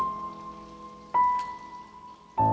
gak ada apa apa